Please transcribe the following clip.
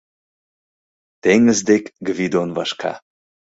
Теҥыз дек Гвидон вашка;